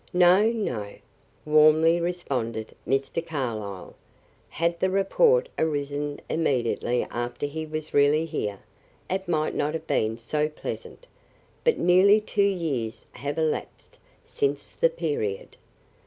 "No, no," warmly responded Mr. Carlyle. "Had the report arisen immediately after he was really here, it might not have been so pleasant; but nearly two years have elapsed since the period.